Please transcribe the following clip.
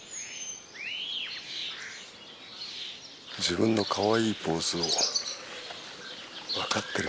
自分のかわいいポーズを分かってるみたいだね